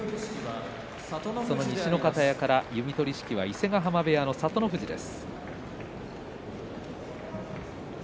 その西の方屋から弓取式は伊勢ヶ濱部屋の聡ノ富士です。